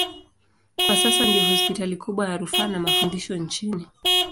Kwa sasa ndiyo hospitali kubwa ya rufaa na mafundisho nchini.